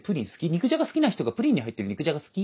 肉じゃが好きな人がプリンに入ってる肉じゃが好き？